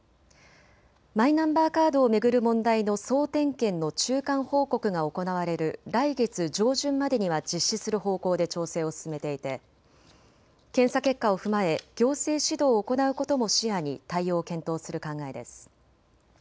マイナンバーカードを巡る問題の総点検の中間報告が行われる来月上旬までには実施する方向で調整を進めていて検査結果を踏まえ行政指導を行うことも視野に対応を検討する考えです。